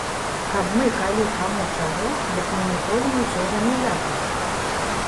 Каб мы калі каму чаго, дык мы ніколі нічога ніякага.